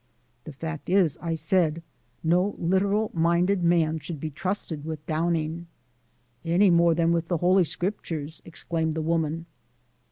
"The fact is," I said, "no literal minded man should be trusted with Downing." "Any more than with the Holy Scriptures," exclaimed the woman.